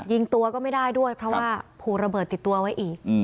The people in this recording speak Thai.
ยิงตัวก็ไม่ได้ด้วยเพราะว่าผูกระเบิดติดตัวไว้อีก